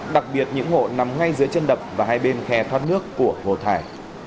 đặc biệt những hộ nằm ngay dưới chân đập và hai bên khe thoát nước của hồ thải